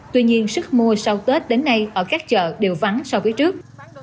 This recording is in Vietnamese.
tuy nhiên sức mua sau tết đến nay ở các chợ đều vắng so với trước